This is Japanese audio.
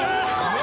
何？